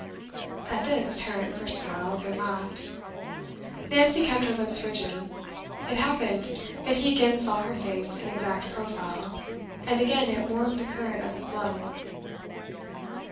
At this Tarrant first smiled, then laughed. Nancy kept her lips rigid. It happened that he again saw her face in exact profile, and again it warmed the current of his blood.